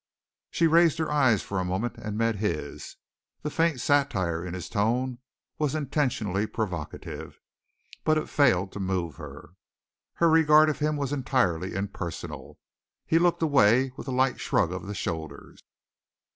She raised her eyes for a moment, and met his. The faint satire in his tone was intentionally provocative, but it failed to move her. Her regard of him was entirely impersonal. He looked away with a light shrug of the shoulders.